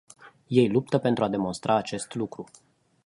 Ei luptă pentru a demonstra acest lucru.